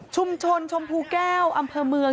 ชมพูแก้วอำเภอเมือง